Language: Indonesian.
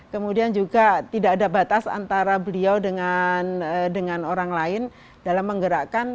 kemudian juga tidak ada batas antara beliau dengan orang lain dalam menggerakkan